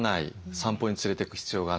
散歩に連れていく必要がない。